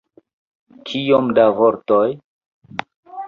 Kiom da vortoj?